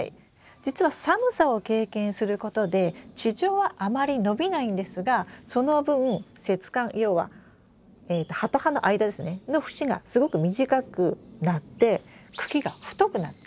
実は寒さを経験することで地上はあまり伸びないんですがその分節間要はえと葉と葉の間ですねの節がすごく短くなって茎が太くなってがっちりした苗になるんです。